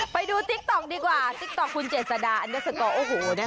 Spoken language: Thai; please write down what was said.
ไปดูติ๊กต๊อกดีกว่าติ๊กต๊อกคุณเจษฎาอันดับสตรอโอ้โหนะคะ